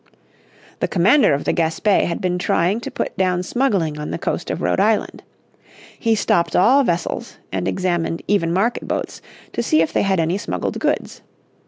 The commander of the Gaspé had been trying to put down smuggling on the coast of Rhode Island. He stopped all vessels, and examined even market boats, to see if they had any smuggled goods.